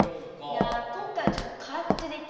いや今回はちょっと辛口でいったんですけど。